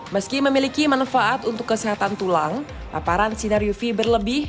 meski memiliki manfaat untuk kesehatan tulang paparan sinar uv berlebih